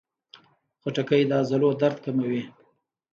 خټکی د عضلو درد کموي.